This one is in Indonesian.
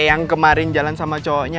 yang kemarin jalan sama cowoknya